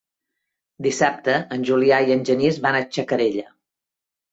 Dissabte en Julià i en Genís van a Xacarella.